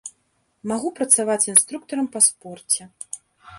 Магу працаваць інструктарам па спорце.